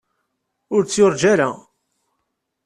Ur tt-yurǧa ara.